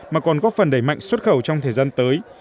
mà còn góp phần đẩy mạnh xuất khẩu trong thời gian tới